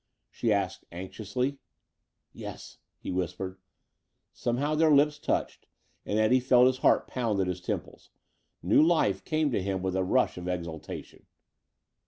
she asked anxiously. "Yes," he whispered. Somehow their lips touched and Eddie felt his heart pound at his temples. New life came to him with a rush of exaltation.